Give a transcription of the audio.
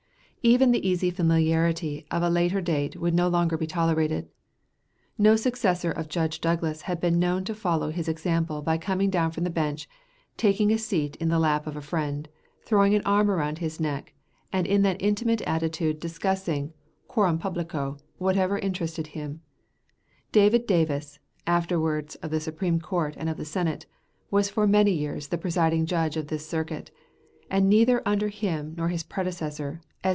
Even the easy familiarity of a later date would no longer be tolerated. No successor of Judge Douglas had been known to follow his example by coming down from the bench, taking a seat in the lap of a friend, throwing an arm around his neck, and in that intimate attitude discussing, coram publico, whatever interested him, David Davis afterwards of the Supreme Court and of the Senate was for many years the presiding judge of this circuit, and neither under him nor his predecessor, S.